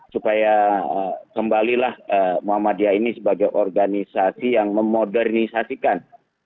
supaya kembalilah muhammadiyah ini sebagai organisasi yang memodernisasikan